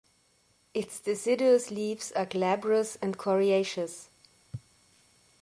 Its deciduous leaves are glabrous and coriaceous.